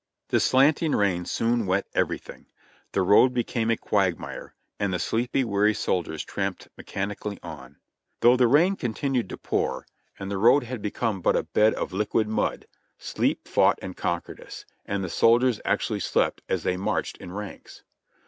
The slanting rain soon wet everything; the road became a quagmire ; and the sleepy, weary soldiers tramped mechanically on. Though the rain continued to pour, and the road had CAMP "no camp" 8 1 become but a bed of liquid mud, sleep fought and conquered us, and the soldiers actually slept as they marched in ranks.